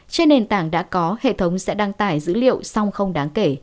trên nền tảng đã có hệ thống sẽ đăng tải dữ liệu song không đáng kể